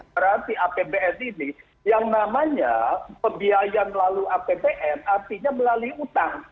berarti apbn ini yang namanya pembiayaan melalui apbn artinya melalui utang